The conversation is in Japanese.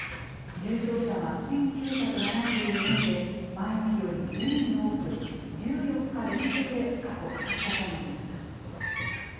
重症者は１９７４人で、前の日より１０人多く、１４日連続で過去最多となりました。